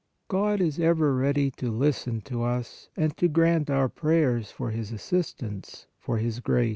God is ever ready to listen to us and to grant our prayers for His assistance, for His grace.